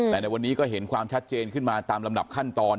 แต่ในวันนี้ก็เห็นความชัดเจนขึ้นมาตามลำดับขั้นตอน